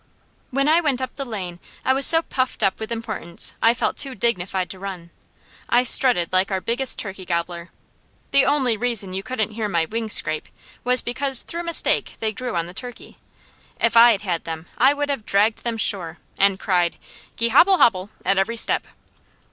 When I went up the lane I was so puffed up with importance I felt too dignified to run. I strutted like our biggest turkey gobbler. The only reason you couldn't hear my wings scrape, was because through mistake they grew on the turkey. If I'd had them, I would have dragged them sure, and cried "Ge hobble hobble!" at every step.